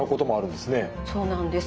そうなんです。